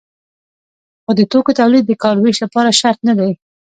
خو د توکو تولید د کار ویش لپاره شرط نه دی.